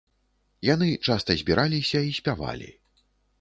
Яны часта збіраліся і спявалі.